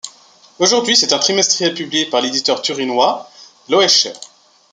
Aujourd’hui c’est un trimestriel publié par l’éditeur turinois Loescher.